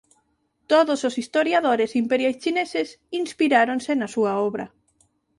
Todos os historiadores imperiais chineses inspiráronse na súa obra.